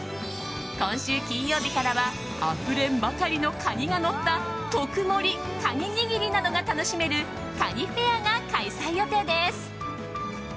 今週金曜日からはあふれんばかりのカニがのった特盛り！かににぎりなどが楽しめるかにフェアが開催予定です。